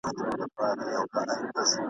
له پیر بابا او له زیارت سره حساب سپینوم !.